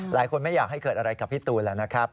หลายคนไม่อยากให้เกิดอะไรกับพี่ตูนแล้วนะครับ